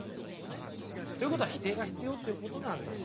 ということは否定が必要っていうことなんですよ。